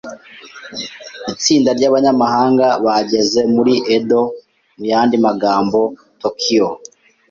Itsinda ryabanyamahanga bageze muri Edo, mu yandi magambo Tokiyo.